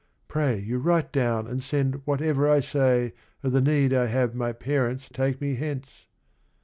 Pray you write down and send whatever I say O' the need I have my parents take me hence